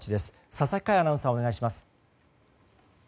佐々木快アナウンサーお願いします。